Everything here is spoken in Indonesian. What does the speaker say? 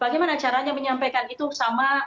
bagaimana caranya menyampaikan itu sama